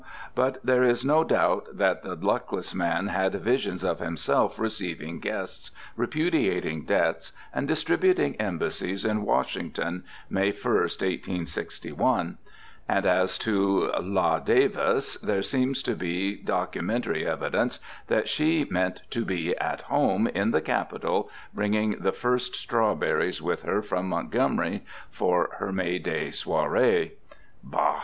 But there is no doubt that the luckless man had visions of himself receiving guests, repudiating debts, and distributing embassies in Washington, May 1, 1861. And as to La' Davis, there seems to be documentary evidence that she meant to be "At Home" in the capital, bringing the first strawberries with her from Montgomery for her May day soirée. Bah!